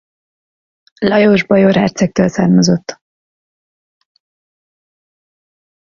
Lajos bajor hercegtől származott.